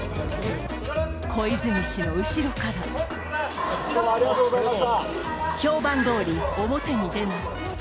小泉氏の後ろから評判どおり、表に出ない。